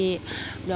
udah gak ketemu juga